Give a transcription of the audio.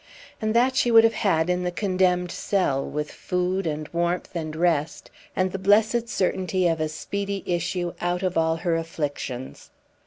And that she would have had in the condemned cell, with food and warmth and rest, and the blessed certainty of a speedy issue out of all her afflictions.